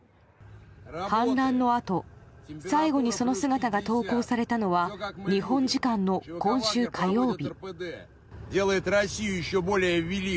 反乱のあと最後にその姿が投稿されたのは日本時間の今週火曜日。